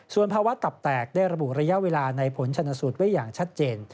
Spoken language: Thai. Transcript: ส่วนภาวะตับแตกได้ระบุระยะเวลาในผลชนสูตรไว้อย่างชัดเจน